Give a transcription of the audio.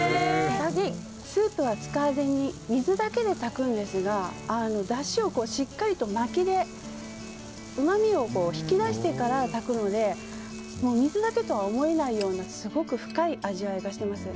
スープは使わずに水だけで炊くんですがだしをしっかりとまきでうまみを引き出してから炊くので水だけとは思えないようなすごく深い味わいがしています。